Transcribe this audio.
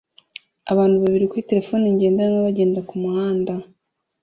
Abantu babiri kuri terefone ngendanwa bagenda kumuhanda